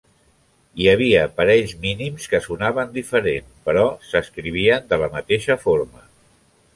Hi havia parells mínims que sonaven diferent però s'escrivien de la mateixa forma.